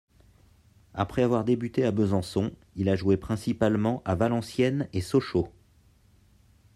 Après avoir débuté à Besançon, il a joué principalement à Valenciennes et Sochaux.